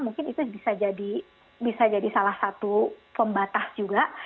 mungkin itu bisa jadi salah satu pembatas juga